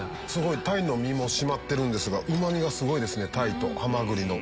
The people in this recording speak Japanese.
鯛の身も締まってるんですがうまみがすごいですね鯛とハマグリの。